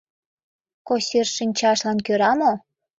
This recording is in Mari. Косир шинчажлан кӧра мо?